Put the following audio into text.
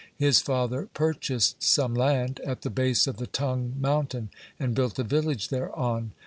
His father purchased some land 1 at the base of the Tung mountain, and built a village thereon.